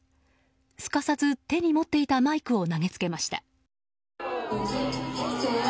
すかさず手に持っていたマイクを投げつけました。